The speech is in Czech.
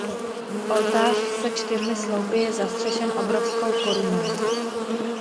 Oltář se čtyřmi sloupy je zastřešen obrovskou korunou.